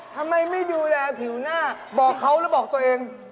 ทำไมไม่ดูแลผิวหน้าบอกเขาแล้วบอกตัวเอง